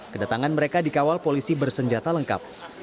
kedatangan mereka dikawal polisi bersenjata lengkap